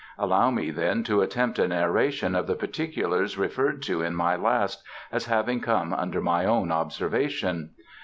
Allow me, then, to attempt a narration of the particulars referred to in my last, as having come under my own observation.